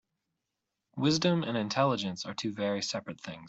Wisdom and intelligence are two very seperate things.